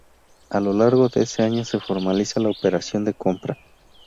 A lo largo de ese año se formaliza la operación de compra.